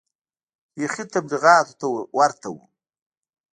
بيخي تبليغيانو ته ورته و.